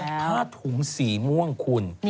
ผ้าถุงสีม่วงคุณ